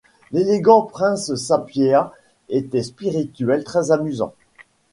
L'élégant prince Sapieha était spirituel, très amusant.